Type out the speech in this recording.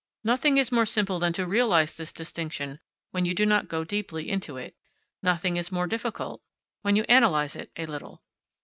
Nothing is more simple than to realise this distinction when you do not go deeply into it; nothing is more difficult when you analyse it a little.